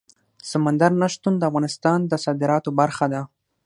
سمندر نه شتون د افغانستان د صادراتو برخه ده.